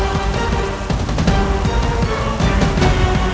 ambo telah meninggal